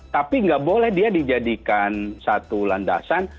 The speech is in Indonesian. tapi nggak boleh dia dijadikan satu landasan